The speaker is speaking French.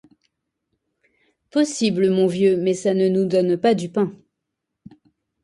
Possible, mon vieux, mais ça ne nous donne pas du pain.